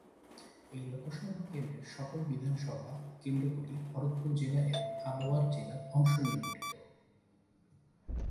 এই লোকসভা কেন্দ্রের সকল বিধানসভা কেন্দ্রগুলি ভরতপুর জেলা এবং আলওয়ার জেলার অংশ নিয়ে গঠিত।